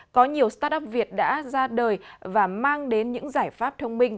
có nhiều startup việt đã ra đời và mang đến những giải pháp thông minh